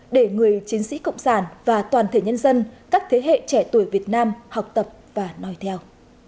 để người chiến sĩ cộng sản và toàn thể nhân dân các thế hệ trẻ tuổi việt nam học tập và nói theo